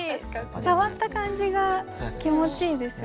触った感じが気持ちいいですよね。